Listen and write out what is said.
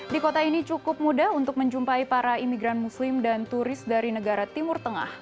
di kota ini cukup mudah untuk menjumpai para imigran muslim dan turis dari negara timur tengah